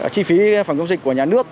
chi phí phòng chống dịch của nhà nước